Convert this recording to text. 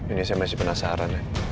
ini saya masih penasaran